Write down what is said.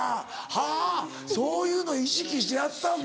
はぁそういうの意識してやったんだ。